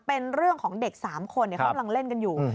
เป็นเรื่องของเด็ก๓คนเขากำลังเล่นกันอยู่